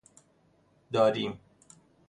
داریم